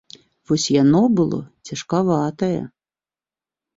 Вось яно было цяжкаватае.